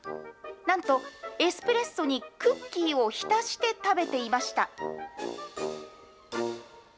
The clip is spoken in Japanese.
なんと、エスプレッソにクッキーを浸して食べていました。